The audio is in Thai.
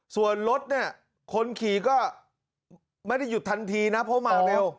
ส่วนรถเนี่ยคนขี่ก็ไม่ได้หยุดทันทีนะเพราะมาเร็ว